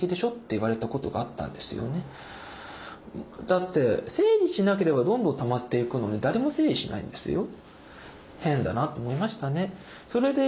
だって整理しなければどんどんたまっていくのに誰も整理しないんですよ。